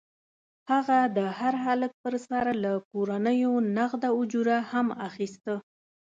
هغه د هر هلک پر سر له کورنیو نغده اجوره هم اخیسته.